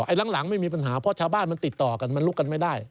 หลังไม่มีปัญหาเพราะชาวบ้านมันติดต่อกันมันลุกกันไม่ได้